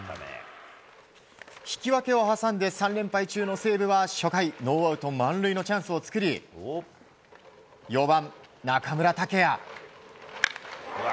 引き分けを挟んで３連敗中の西武は初回ノーアウト満塁のチャンスを作り４番、中村剛也。